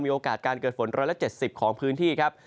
โอกาสการเกิดฝน๑๗๐ของพื้นที่ครับ